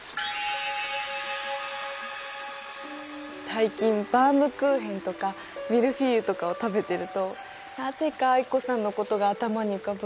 最近バウムクーヘンとかミルフィーユとかを食べてるとなぜか藍子さんのことが頭に浮かぶの。